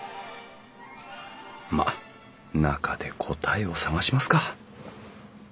まあ中で答えを探しますか。